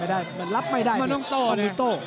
ไม่ได้รับไม่ได้